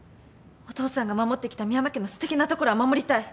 お父さんが守ってきた深山家のすてきなところは守りたい。